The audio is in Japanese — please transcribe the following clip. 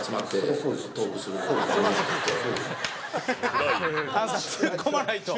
菅さんツッコまないと。